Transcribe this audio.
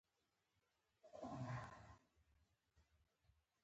افغانستان تر هغو نه ابادیږي، ترڅو د بل په تمه لاس تر زنې کښينو.